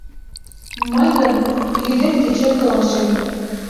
Мый гын йӱдет-кечет толашем.